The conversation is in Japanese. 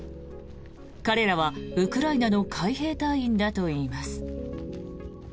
彼らはウクライナの海兵隊員だといいます。